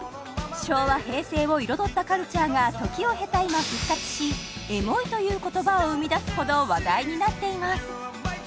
昭和平成を彩ったカルチャーが時を経た今復活しエモいという言葉を生みだすほど話題になっています